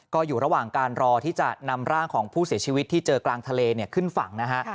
ก็อยู่ระหว่างการรอที่จะนำร่างของผู้เสียชีวิตที่เจอกลางทะเลขึ้นฝั่งนะฮะ